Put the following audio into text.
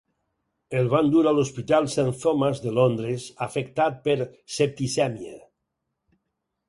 El van dur a l'Hospital Saint Thomas de Londres afectat per septicèmia.